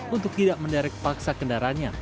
untuk tidak menerik paksa kendaranya